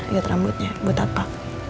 ikat rambutnya buat apa